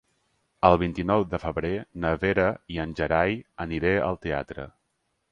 El vint-i-nou de febrer na Vera i en Gerai aniré al teatre.